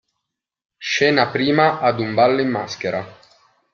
Scena prima Ad un ballo in maschera.